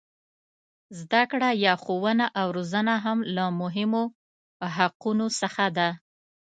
زده کړه یا ښوونه او روزنه هم له مهمو حقونو څخه ده.